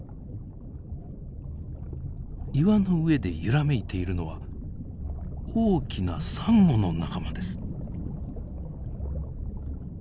岩の上で揺らめいているのは大きなサンゴの仲間です。